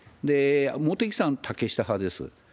茂木さん、竹下派です。